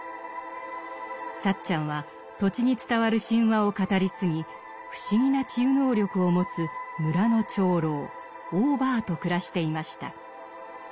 サッチャンは土地に伝わる神話を語り継ぎ不思議な治癒能力を持つ村の長老・オーバーと暮らしていました。